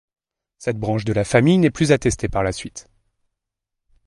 Cette branche de la famille n´est plus attestée par la suite.